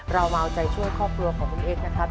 เรามาเอาใจช่วยครอบครัวของคุณเอ็กซ์นะครับ